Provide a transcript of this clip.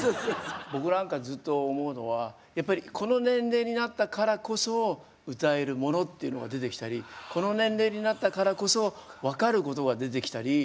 僕なんかずっと思うのはやっぱりこの年齢になったからこそ歌えるものっていうのが出てきたりこの年齢になったからこそ分かることが出てきたりしませんか？